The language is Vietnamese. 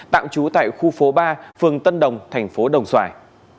tạm trú tại khu phố ba phường tân đồng thành phố đồng xoài